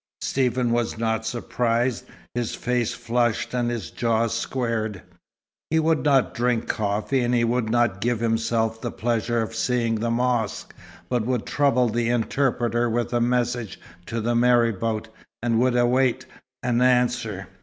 Stephen was not surprised. His face flushed and his jaw squared. He would not drink coffee, and he would not give himself the pleasure of seeing the mosque; but would trouble the interpreter with a message to the marabout; and would await an answer.